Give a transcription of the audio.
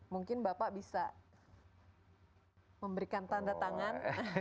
mungkin bapak bisa memberikan tanda tangan